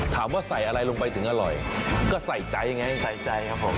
ถามว่าใส่อะไรลงไปถึงอร่อยก็ใส่ใจไงใส่ใจครับผม